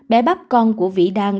bé bắp con của vĩ đan